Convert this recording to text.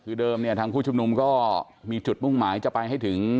คือเดิมเนี่ยทางผู้ชุมนุมก็มีจุดมุ่งหมายจะไปให้ถึง